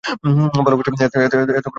ভালোবাসার এত ক্রমশ মতির ভালো লাগে না।